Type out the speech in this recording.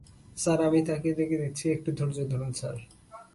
Sir, আমি তাকে ডেকে দিচ্ছি, একটু ধরুন স্যার।